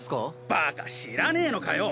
バカ知らねぇのかよ。